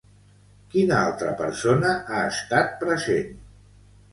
Quina altra persona ha estat present?